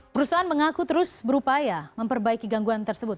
perusahaan mengaku terus berupaya memperbaiki gangguan tersebut